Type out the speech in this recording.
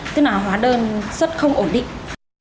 tức là hóa đơn xuất không ổn định